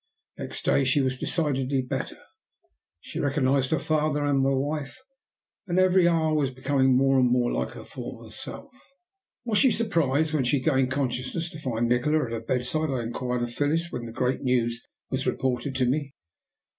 Next day she was decidedly better; she recognized her father and my wife, and every hour was becoming more and more like her former self. "Was she surprised when she regained consciousness to find Nikola at her bedside?" I inquired of Phyllis when the great news was reported to me.